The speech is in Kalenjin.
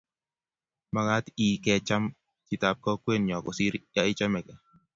Mekat kecham chitab kokwenyo kosir ya ichomegei